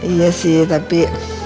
iya sih tapi